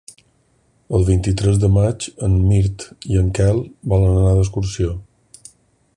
El vint-i-tres de maig en Mirt i en Quel volen anar d'excursió.